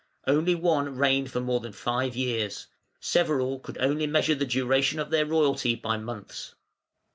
Only one reigned for more than five years; several could only measure the duration of their royalty by months.